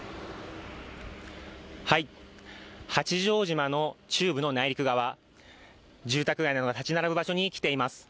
八丈島の中部の内陸側住宅街などが建ち並ぶ場所に来ています。